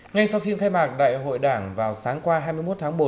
ngay sau phiên khai mạc đại hội đảng vào sáng qua hai mươi một tháng một